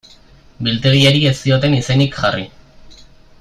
Biltegiari ez zioten izenik jarri.